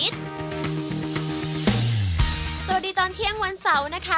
สวัสดีตอนเที่ยงวันเสาร์นะคะ